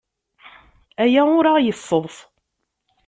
Aya ur aɣ-yesseḍs.